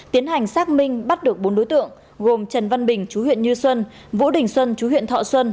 tiến hành xác minh bắt được bốn đối tượng gồm trần văn bình chú huyện như xuân vũ đình xuân chú huyện thọ xuân